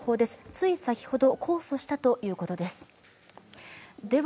つい先ほど、控訴したということです。